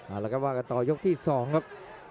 เอาละครับว่ากันต่อยกที่๒ครับ